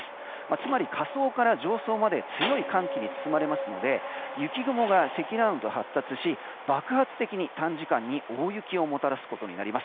つまり、下層から上層まで強い寒気に包まれますので雪雲が積乱雲と発達し爆発的に、短時間に大雪をもたらすことになります。